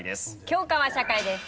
教科は社会です。